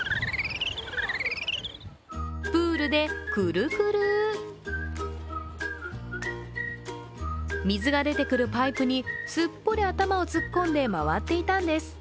プールでクルクル水が出てくるパイプにすっぽり頭を突っ込んで回っていたんです。